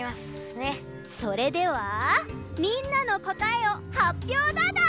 それではみんなのこたえをはっぴょうだドン！